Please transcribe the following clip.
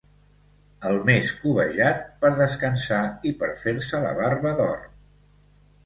El mes més cobejat per descansar i per fer-se la barba d'or.